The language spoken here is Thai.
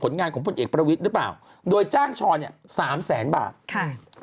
งานของพลเอกประวิทย์หรือเปล่าโดยจ้างชอเนี่ยสามแสนบาทค่ะ